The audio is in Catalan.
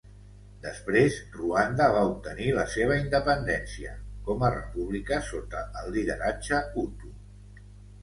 Després Ruanda va obtenir la seva independència com a república, sota el lideratge hutu.